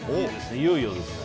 いよいよですね。